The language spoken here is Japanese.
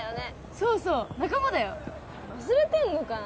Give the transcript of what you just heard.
そうそう仲間だよ忘れてんのかな？